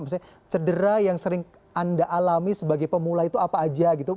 maksudnya cedera yang sering anda alami sebagai pemula itu apa aja gitu